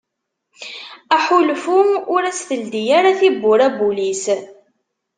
Aḥulfu ur as-teldi ara tiwwura n wul-is.